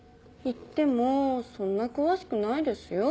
いってもそんな詳しくないですよ